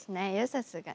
さすがに。